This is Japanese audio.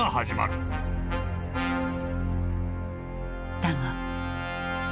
だが。